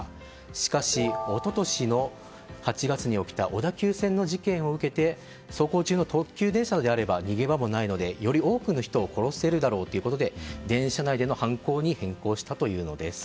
しかし、一昨年の８月に起きた小田急線の事件を受けて走行中の特急電車であれば逃げ場もないのでより多くの人を殺せるだろうということで電車内での犯行に変更したというのです。